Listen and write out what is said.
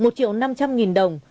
một triệu năm trăm linh nghìn đồng